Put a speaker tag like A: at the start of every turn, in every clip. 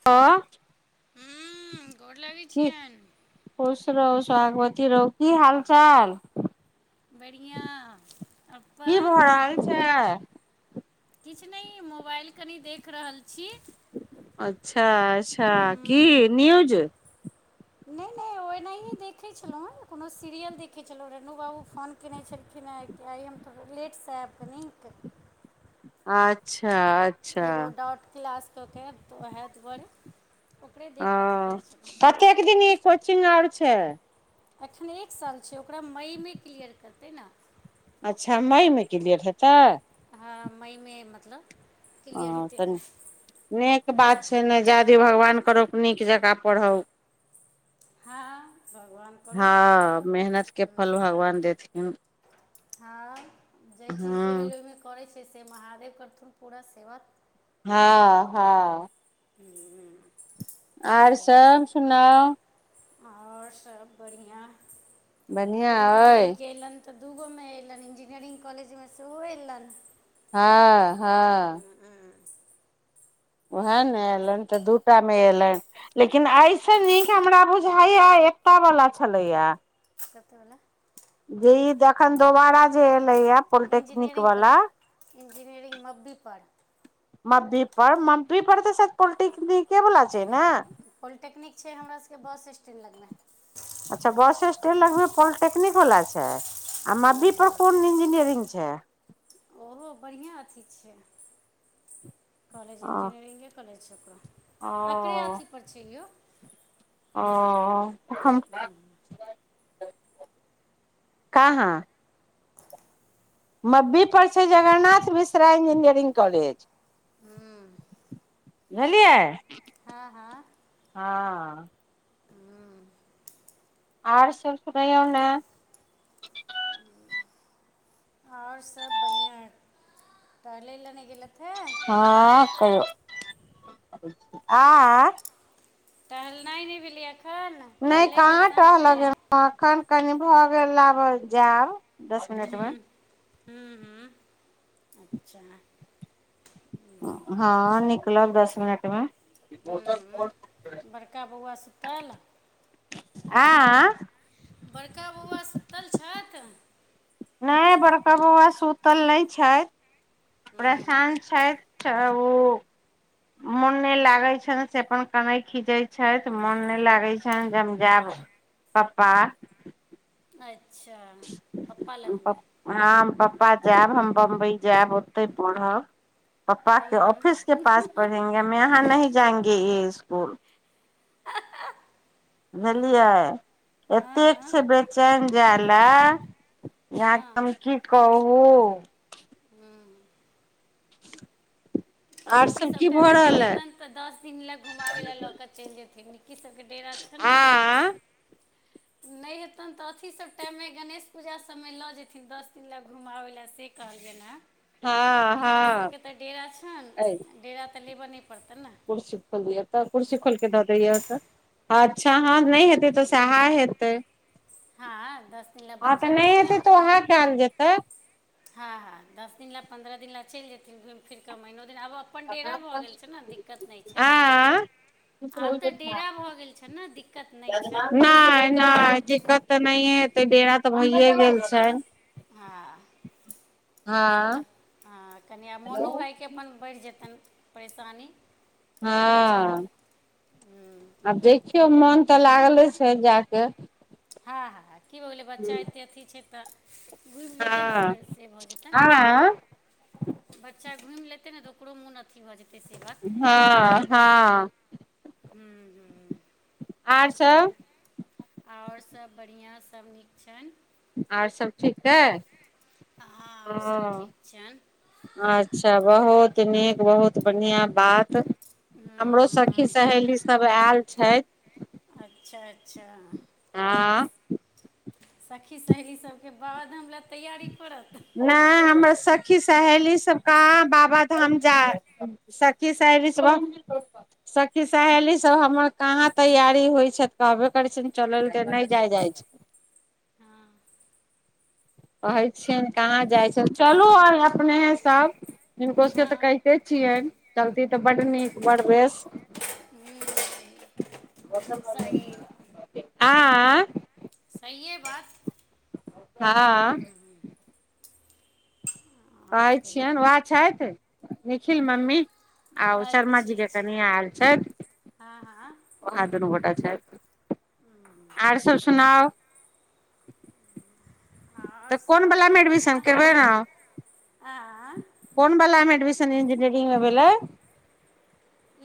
A: [unintelligible]
B: हूँ गोर लगैन
A: की
B: छियनि।
A: खुश रहु सोहागवती रहु की हाल चाल।
B: बढ़िआँ
A: की
B: अपन
A: भऽ रहल छै।
B: किछु नहि मोबाइल कनि देख रहल छी।
A: अच्छा अच्छा
B: हूँ
A: की न्युज।
B: नहि नहि तऽ ओनाहिए देखै छलहुँ हँ कोनो सीरियल देखै छलहुँ रेणु बाबू फोन केने छलखिन हँ किए हम तऽ लेटसँ आएब कनीक।
A: अच्छा अच्छा
B: एगो डॉट क्लास कऽ के आएत ओहि दुआरे ओकरे देखकऽ अथी करैत छलहुँ।
A: कएक दिन ई कोचिंग आर छै।
B: एखन एक साल छै ओकरा मईमे क्लियर करतै नऽ।
A: अच्छा मईमे क्लियर हेतै।
B: हँ मईमे मतलब क्लियर
A: हँ
B: हेतै
A: तनि
B: एखन
A: निक बात छै नऽ जादे भगवान करौक नीक जकाँ पढ़ौ।
B: हँ भगवान करू
A: हाॅं मेहनत कऽ फल भगवान देथिन।
B: हँ जाहि चीजके
A: हँ
B: लेल ओहिमे करैत छैय से महादेव करथुन पूरा सेवा
A: हँ हँ
B: हू
A: आर सब सुनाउ।
B: आओर सब बढ़िया
A: बढ़िआँ
B: तुन्नी दीदी
A: अइ
B: कऽ ऐलेन तऽ दूगोमे अएलनि इंजीनियरिंग कॉलेजमे सेहो अएलनि।
A: हँ हँ
B: [unintelligible]
A: ओएह
B: से
A: नऽ
B: बात
A: अयलनि तऽ दूटा मे अयलनि। लेकिन ऐस नीक हमरा बुझाइया एकता वाला छलैया।
B: कथि बला
A: जे ई जखन दोबारा जे एलेया पोलिटेक्निक वाला
B: इन्जीनियरिंगमे मब्बी पड़
A: मब्बी पर मब्बी पर तऽ पोल्टिकनिके वला छै नऽ।
B: पॉलिटेक्निक छै हमरा सबके बस स्टैण्ड लगमे।
A: अच्छा बस स्टैंड लगमे पॉलटेक्निक वला छाय। आ मब्बी प कोन इंजीनियरिंग छै।
B: ओहो बढ़िआँ अथी छै
A: ओ
B: कॉलेजिंग के रिंगे कॉलेज छै ओकरा। अकड़े अथि पर छै यौ।
A: ओऽ त हम काॅंहाँ। मब्बीप छै जगरनाथ मिश्रा इंजीनियरिंग कॉलेज। बुझलियै।
B: हँ हँ
A: हँ आर सब सुनैयौ ने
B: आओर सब बढ़िआँ आत टहलै लए नै गेलथि हे
A: हँ कहियो आ
B: टहलनाय नै भेलैया एखन।
A: नै
B: टहलै लेल
A: कहाँ
B: साँझमे
A: टहलऽ गेल अखऽन कनि भऽ गेल लाब जाब दस
B: हूँ
A: मिनटमे।
B: हूँ हूँ अच्छा
A: हँ
B: छोट
A: निकलब दस मिनटमे
B: हूँ हूँ बड़का बौआ सुतल
A: आँ
B: बड़का बौआ सुतल छथि
A: नै बड़का बौआ सुतल नै छथि प्रशान छैथ त ओ मोन नै लागै छनि से अपन कनै खीजै छथि मोन नै लागै छनि जे हम जैब पपा
B: अच्छा पप्पा लगमे
A: हम पप्पा जायब हम बम्बई जायब ओतै पढ़ब पप्पा के ऑफिस के पास पढ़ेंगे हम यहाँ नही जाएंगे ए इस्कुल बुझलियै एतेक
B: हँ
A: छै बेचैन जाए लए जे आहाँ के हम
B: हँ
A: की कहूँ आर
B: अथी
A: सब की
B: सबटाइम
A: भऽ
B: मे नै
A: रहल है
B: हेतैन तऽ दस दिन लग घुमाबै लए लऽ के चलि जेथिन निक्की सब के डेरा छैन
A: आ
B: ने नै हेतैन तऽ अथी सब टाइममे गणेश पूजा सबमे लऽ जेथिन दस दिन लए घुमाबै लए से कहलियैन
A: हँ
B: हें निक्की
A: हँ
B: सबके तऽ डेरा छैन
A: अ
B: डेरा त लेब नै पड़तैन ने
A: कुर्सी खोल दिय तऽ कुर्सी खोलके दऽ दिय तऽ अच्छा हँ नै हेतै तऽ सहा हेतै
B: हँ दस दिन लए
A: हँ तऽ
B: बच्चा
A: नै
B: छै ने
A: हेतै तऽ वहाए कैएल जेतै
B: हँ हँ दश दिन लए पन्द्रह दिन लए चलि जेथिन घुमि फिर कऽ महीनो दिन आबऽ अपन डेरा भऽ गेल छै न दिक्कत नै छै
A: आ
B: आब तऽ डेरा भऽ गेल छैन दिक्कत नै छैन
A: नय दिक्कत तऽ नहिये हेतै डेरा तऽ भइए गेल छैन
B: हँ से
A: हँ
B: बात हँ कनि आब मोनो भाय के अपन बढ़ि जेतनि परेशानी खर्चा
A: हऽ [inaudible] आब देखियौ मोन तऽ लागले छै जा केँ
B: हँ हँ की हो गेलै बच्चा एतै अथी छै तऽ घुम लेतै न
A: हँ
B: फेर
A: हँ
B: [unintelligible] बच्चा घुम लेतै न तऽ ओकरो मोन अथी भऽ जेतै से बात
A: हँ हँ
B: [unintelligible] तै
A: आर
B: कऽ दुआरे
A: सब
B: और सभ बड़िआँ सभ नीक छैन
A: आर सब ठीक है
B: हँ और सब ठीक छियैन
A: अच्छा बहुत नीक बहुत बढ़िया बात [inaudible]
B: हूँ
A: हमरो सखी
B: हूँ
A: सहेली सब ऐल छै
B: अच्छ अच्छ
A: [unintelligible]
B: सखी सहेली सब केँ बाबा धाम लऽ तैयारी करत
A: ना हमर सखी सहेली सब कहाँ बाबाधाम जात सखी सहेली सब [unintelligible] सखी सहेली सब हमर कहाँ तैयारी होइ छै तऽ कहबे करे छै चलै लऽ नै जाय जाय छै
B: हँ
A: कहै छियैन कहाँ जाइ छै चलू अपनेहे सब हिनको सब केँ तऽ
B: हँ
A: कहितै छियैन चलती तऽ बड नीक बड़ बेस
B: [unintelligible] सही
A: [unintelligible]
B: सयै बात
A: हँ
B: हूँ, आओर
A: कहै
B: कहियौ
A: छियैन वैह छैथ [inaudible] निखिल मम्मी और शर्मा
B: अच्छा
A: जी केँ
B: अच्छा
A: कनिया ऐल छैथ
B: हँ हँ
A: वैह दुनू गोटा छैथ [inaudible] आर सब सुनाउ [inaudible]
B: हँ
A: [inaudible]
B: आओर
A: तऽ कोन
B: सब
A: वला में एडमिशन
B: बढ़िआँ
A: करबै नौ
B: आँ
A: [inaudible] कोन बला एडमिशन इंजिनियरिंग में भेलै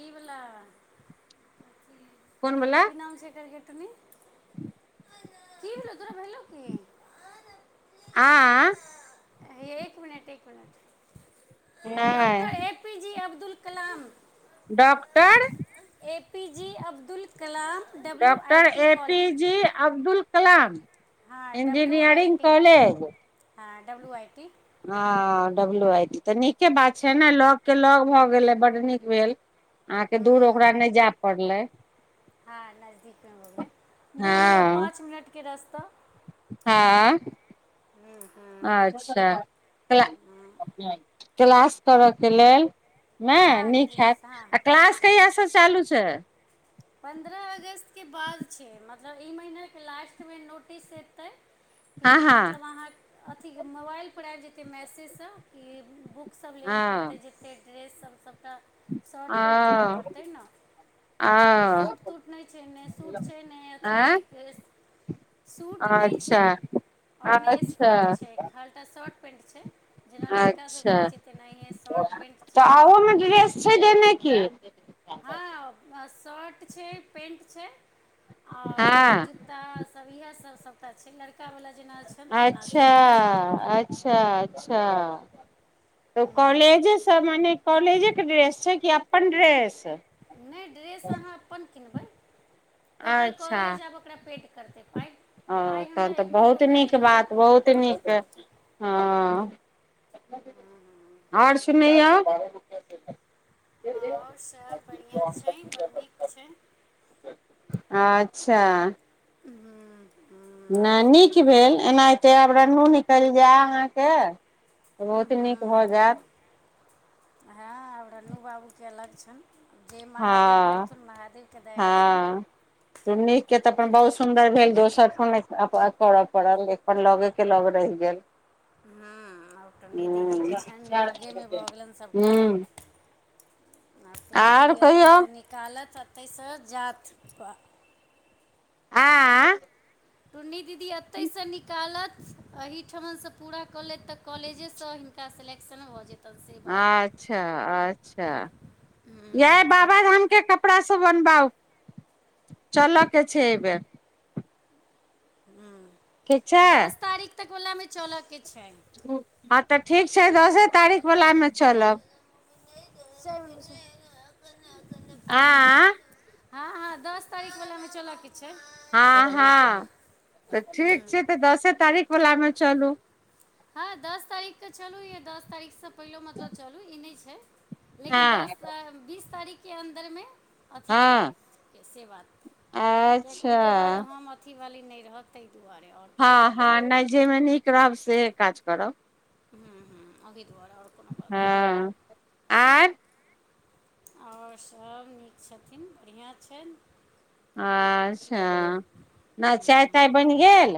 B: ई वला [unintelligible]
A: कोन बला
B: की नाम है ऐकर गै टुनि
A: [inaudible]
B: [unintelligible] की भेलो तोरा भेलो कि
A: [unintelligible]
B: हे एक मिनट एक मिनट [inaudible] डॉक्टर
A: नहि
B: A P J Abdul Kalam
A: doctor
B: A P J Abdul Kalam W I
A: doctor
B: T
A: A P
B: college
A: J Abdul Kalam
B: हँ W I
A: engineering
B: T
A: college
B: हँ डब्लू आइ टी
A: हँ डब्लू आई टी तऽ नीके बात छै न लग केँ लग भऽ गेलै बड नीक भेल अहाँ केँ दूर ओकरा नै जै पड़लै
B: हँ नजदीक में भऽ गेलै दू मिनट
A: हँ
B: पाँच मिनट केँ रस्ता
A: हँ अच्छा क क्लास करऽ के लेल नय
B: हँ
A: नी खेत
B: किलासँ हँ
A: आ क्लास कहियासँ चालू छै
B: पन्द्रह अगस्तके बाद छै मतलब ई महिना के लास्ट मे नोटिस एतै
A: हँ
B: कि
A: हँ
B: मतलब अहाँ अथी के मोबाइल पर आबि जेतै मैसेज सँ कि बुक सब लेबऽ
A: हँ
B: पड़तै जते ड्रेस सब सबटा शर्ट पेंट लेबऽ
A: ओ
B: पड़तै न
A: ओ
B: सूट तूट नय छै नय सूट छै नय अथी
A: आँ
B: छै के सूट नइ
A: अच्छा
B: छै और नय
A: अच्छा
B: स्कर्ट छै खालिटा शर्ट पैंट छै जेना लड़का सब
A: अच्छा
B: के रहै छै तेनाहिय शर्ट पेंट छै
A: तऽ ओहोमे ड्रेस छै देने की
B: हँ शर्ट छै पेंट छै और वएह
A: हँ
B: जूता त सब इएह सब सभटा छै लड़का वला जेना छनि तेना
A: अच्छा
B: सबटा छै
A: अच्छा अच्छा तऽ कॉलेजे सब मने कॉलेजे के ड्रेस छै कि अपन ड्रेस
B: नय ड्रेस अहाँ अपन किनबै टोटल
A: अच्छा
B: कलेज आब ओकरा पे करते पाए
A: अ तहन तऽ बहुत नीक बात
B: टोटल
A: बहुत
B: कॉलेज
A: नीक
B: दऽ देतै
A: हँ और सुनैयौ
B: आओर
A: [unintelligible]
B: सब बढ़िआँ छै बड़ नीक छै
A: अच्छा
B: हँ
A: नय नीक भेल एना एते आब रनु निकल जाय अहाँके बहुत नीक भऽ जायत
B: हँ आब रन्नू बाबू के लछन जे महादेव
A: हँ
B: करथुन महादेव के दया छन
A: नीक के तऽ अपन बहुत सुन्दर भेल दोसर ठन करय पड़ल अपन लगे के लग रहि गेल
B: हँ अब नी दीदी के
A: ह
B: छन लगे मे भऽ गेल सभटा
A: ह
B: आब त नी
A: आर
B: दीदी
A: कहियौ
B: एतहिसँ निकालत एतयसँ जात
A: आ
B: टुन्नी दीदी एतयसँ निकालत एहिठमनसँ पूरा कऽ लेत तऽ कॉलेजे सँ ता सलेक्शन भऽ जेतै
A: अच्छा अच्छा
B: हँ,
A: [unintelligible] कपड़ा सब बनबाउ चलऽ के छै ऐ बेर ठीक छै
B: हुँ दस तारीख तक ओला मे चलऽके छै
A: हँ तऽ ठीक छै दसे तारीख बलामे चलब आँ
B: [unintelligible] हँ हँ दस तारीख बला मे चलऽके छै
A: हँ हँ तऽ ठीक
B: हँ
A: छै तऽ दसे तारीख बला मे चलु
B: हँ दस तारीख के चलू ई दस तारीख सँ पहिले मतलब चलू ई नय छै
A: हँ
B: लेकिन दस बीस तारीख के अन्दर मे अथी
A: हँ
B: से बात किएकि ओहि के बाद
A: अच्छा
B: हम अथी वाली नइ रहत ताय दुआरे ओर
A: हँ हँ नय जय मे नीक रहब सेह काज करब
B: ह ह अभी दुआ रे ओर कोनो बात नय
A: आंय
B: ओर सभ नीक छथिन बढ़िआँ छनि
A: अच्छा [inaudible] नै चाय ताय बैन गेल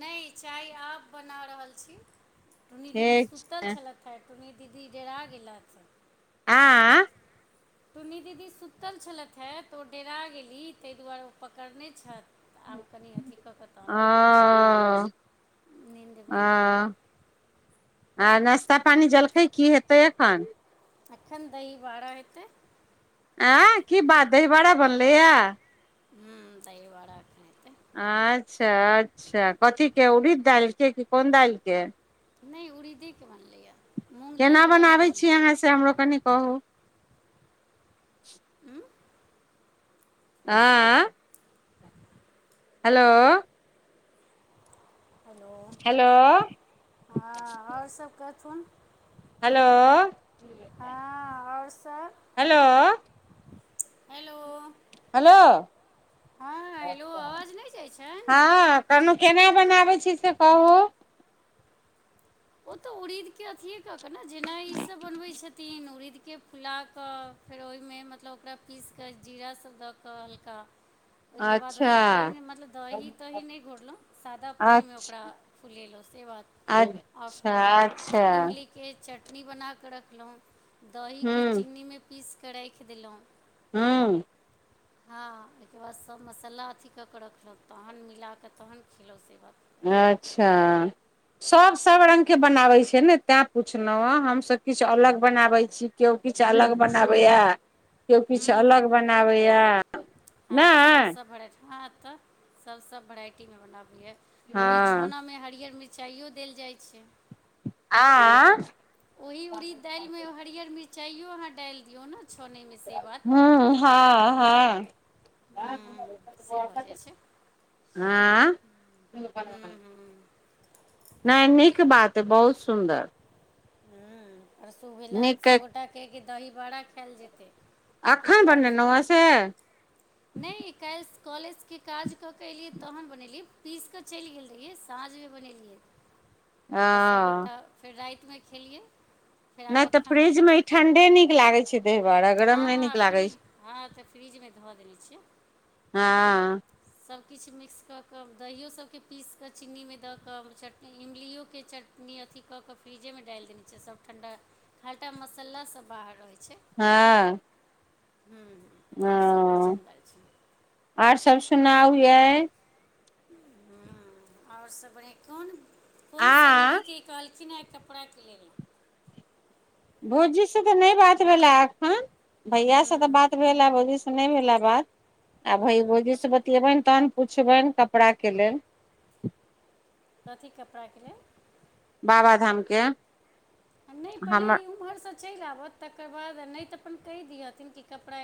B: नै चाय आब बना रहल छी [inaudible] टुन्नी दीदी
A: ठीक छै
B: सुतल छलै खर टुन्नी दीदी डेरा गेलथि [inaudible] ओ
A: आँ
B: कह टुन्नी दीदी सुतल छलैथ है तऽ ओ डेरा गेली तैय दुवारे ओ पकड़ने छैथ
A: [unintelligible]
B: नीन्द में
A: [unintelligible] आ नाश्ता पानी जलखै की हेतै एखन
B: एखन दही बाड़ा हैतैय
A: ऐह की बात दही बाड़ा बनलैए
B: हूँ दही बाड़ा अखैन हेतै
A: अच्छ अच्छ कथी केँ उड़िद दाइल केँ कि कोन दाइल केँ
B: नै उड़ीदेकेँ बनलैए मूँग
A: केना
B: दालिवला नहि
A: बनाबै
B: बनलै
A: छी अहाँ से हमरो कनि कहु
B: हूँ
A: [unintelligible] हेलो
B: हेलो
A: हेलो
B: [inaudible] हँ ओर सब कहथुन
A: हेलो
B: हँ और सब
A: हेलो
B: [unintelligible] हेलो
A: हेलो
B: [inaudible] हँ हेलो अवाज नै जाइ छैन
A: कहनो केना बनाबै छी से कहु
B: ओ तऽ उड़ीद केँ अथिए कऽ कऽ न जेना ईसभ बनबैत छथिन उड़ीद केँ फुला कऽ फेर ओइमें मतलब ओकरा पीस कऽ जीरास सब दऽ कऽ हल्का ओइ केँ बाद
A: अच्छा
B: अथी पाइन मतलब दही तही नै घोरलो सादा पाइन में
A: अच्छा
B: ओकरा फुलेलो से बात
A: अच्छा
B: आ
A: अच्छा
B: फेरो
A: अच्छा
B: इमली केँ चटनी बना कऽ रखलौ दही केँ
A: हूँ
B: चीनी में पीस कऽ रैख देलौं
A: हु
B: [unintelligible] हँ ओइ केँ बाद सभ मसाला अथी कऽ केँ रखलक तहन मिला कऽ तहन खेलौ से बात
A: अच्छा सब सब रंग केँ बनाबै छै ने तै पुछलों हऽ हम सभ किछ अलग बनाबैत छी किओ किछ अलग बनाबैए केओ किछ
B: हूँ
A: अलग
B: हूँ
A: बनाबैए [inaudible] नै
B: हँ [unintelligible] हँ तऽ सभ सब भेराइटी में बनाबैए ओहि
A: हँ
B: छौना में हरियर मिरचाइयो देल जाइ छै
A: [unintelligible]
B: ओहि उड़ीद दाइल में हरियर मिरचाइयो अहाँ डाल दियौ न
A: हु हँ
B: हँ से भऽ जाइ
A: हँ
B: छै
A: [unintelligible]
B: हँ
A: [unintelligible]
B: हँ
A: नै नीक बात बहुत सुन्दर
B: हँ परसू भेलन
A: नीक
B: सभ गोटा केँ कि दही बड़ा खैल जेतै की
A: अखन
B: कैल से
A: बनेलहुँ हेँ
B: [unintelligible] नै काइल्स कॉलेज केँ काज कऽ कऽ एलियै तहन बनेलियै पीस कऽ चैल गेल रहियै साँझ में बनेलियै [inaudible] तऽ सभ
A: हँ
B: गोटा फेर राइत में खेलियै फेर
A: नै
B: आब
A: तऽ
B: एखन
A: फ्रिज में
B: मतलब
A: ई ठण्ढे नीक लागै छै दहिबारा‌ आ गरम
B: हँ
A: नै
B: हँ
A: नीक लागै
B: फ्रिज
A: छै
B: हँ तऽ फ्रिजमे धऽ देने छियै
A: हँ
B: सभकिछ मिक्स कऽ कऽ दहियो सभके पीस कऽ चीनीमे दऽ कऽ चटनी इमलियो के चटनी चीनी अथी कऽ कऽ फ्रिजेमे डालि देने छियै सभ ठण्डा खालीटा मसाला सभ बाहर रहै छै
A: हँ
B: हुँ
A: ओ आर सब सुनाउ यै
B: आओर सभ बढ़ियाँ कोन कोन
A: आ
B: सहेलीके ई कहलखिन ह कपड़ा के लेल
A: भौजीसँ तऽ नय बात भेलै एखन भैयासँ
B: हूँ
A: तऽ बात भेलए भौजी नय भेले बात आ भई
B: हूँ
A: भौजी से बतियेबनि तहन पुछबनि कपड़ा के लेल
B: कथी कपड़ाके लेल
A: बाबाधाम के
B: नय पहिले
A: हमर
B: ई उम्हर से चलि आबौथ तकर बाद नय तऽ अपन कहि दिहथिन कि कपड़ा